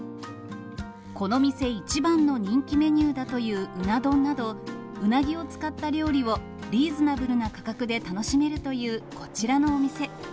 この店一番の人気メニューだといううな丼など、うなぎを使った料理をリーズナブルな価格で楽しめるということこちらのお店。